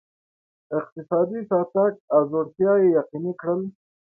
اقتصادي شاتګ او ځوړتیا یې یقیني کړل.